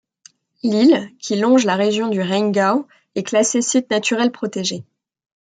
L'île, qui longe la région du Rheingau, est classée site naturel protégé.